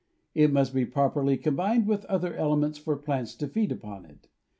It must be properly combined with other elements for plants to feed upon it.